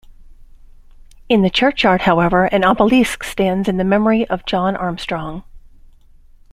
In the churchyard, however an obelisk stands to the memory of John Armstrong.